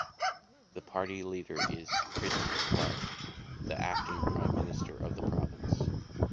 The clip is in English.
The party leader is Christy Clark, the acting prime minister of the province.